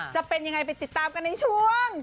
จะเป็นยังไงไปติดตามกันในช่วง